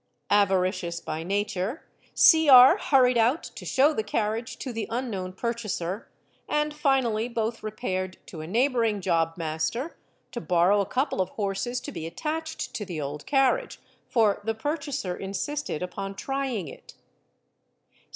Avaricious by nature, Cr... hurried out to | show the carriage to the unknown purchaser, and finally both repaired to a neighbouring job master to borrow a couple of horses to be attached to ' the old carriage, for the purchaser insisted upon trying it.